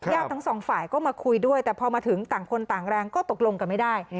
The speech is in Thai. ทั้งสองฝ่ายก็มาคุยด้วยแต่พอมาถึงต่างคนต่างแรงก็ตกลงกันไม่ได้